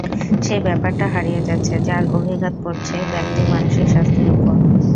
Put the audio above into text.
সেই ব্যাপারটা হারিয়ে যাচ্ছে, যার অভিঘাত পড়ছে ব্যক্তির মানসিক স্বাস্থ্যের ওপর।